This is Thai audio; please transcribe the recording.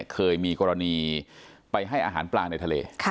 เคยมีกรณีไปให้อาหารปลาในทะเล